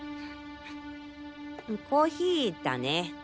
コーヒーだね。